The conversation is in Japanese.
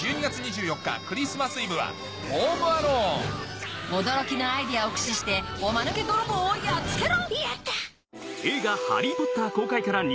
クリスマス・イブは驚きのアイデアを駆使しておまぬけ泥棒をやっつけろ！